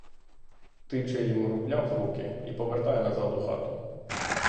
Тиче їм рубля в руки — і повертає назад у хату.